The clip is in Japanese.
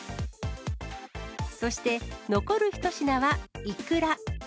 そして、残る１品はイクラ。